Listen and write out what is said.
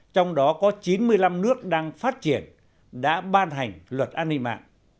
trong đó có chín mươi năm nước đang phát triển đã ban hành luật an ninh mạng